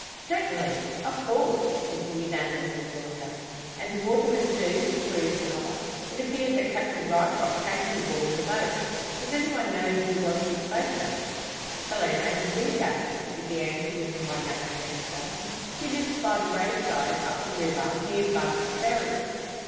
"Certainly; of course," is the unanimous rejoinder. "And the waterman, too?" queries another. "It appears that Captain Ryecroft came to the ball in a boat. Does anyone know who was his boatman?" "A fellow named Wingate" is the answer given by young Shenstone. "He lives by the roadside, up the river, near Bugg's Ferry."